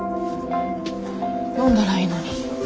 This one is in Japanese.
呼んだらいいのに。